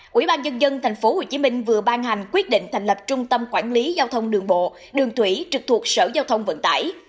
quỹ ban dân dân tp hcm vừa ban hành quyết định thành lập trung tâm quản lý giao thông đường bộ đường thủy trực thuộc sở giao thông vận tải